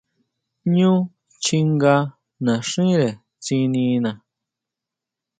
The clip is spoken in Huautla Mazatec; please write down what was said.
Ñú chjinga naxíre tsinina.